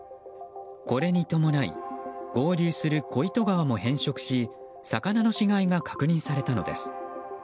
これに伴い合流する小糸川も変色し魚の死骸が確認されたのです。